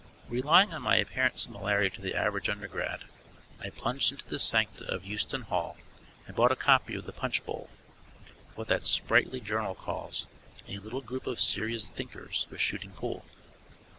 Relying on my apparent similarity to the average undergrad, I plunged into the sancta of Houston Hall and bought a copy of the Punch Bowl. What that sprightly journal calls "A little group of Syria's thinkers" was shooting pool.